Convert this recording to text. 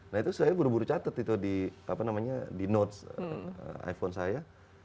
nah itu saya buru buru catet itu di notes iphone saya